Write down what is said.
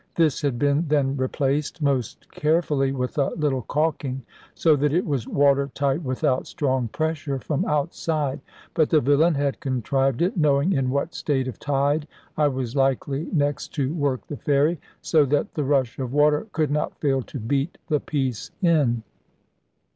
This had been then replaced most carefully with a little caulking, so that it was water tight without strong pressure from outside; but the villain had contrived it, knowing in what state of tide I was likely next to work the ferry, so that the rush of water could not fail to beat the piece in.